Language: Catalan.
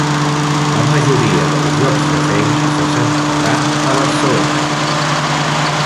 La majoria dels llocs de feina se centraran a Barcelona.